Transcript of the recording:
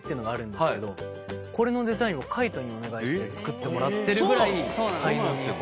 これのデザインを海人にお願いして作ってもらってるぐらい才能にほれてて。